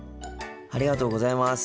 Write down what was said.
ありがとうございます。